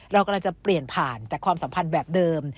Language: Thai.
เรากำลังจะเปลี่ยนผ่านจากความสัมพันธ์แบบเดิม